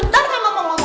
kau ada funga ya